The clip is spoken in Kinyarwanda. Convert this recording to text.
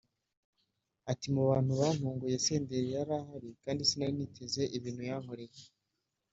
ati "Mu bantu bantunguye Senderi yari ahari kandi sinari niteze ibintu yankoreye